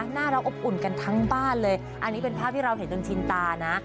หน้าเราอบอุ่นกันทั้งบ้านเลยอันนี้เป็นภาพที่เราเห็นจนชินตานะ